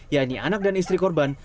yakni anak dan istri korban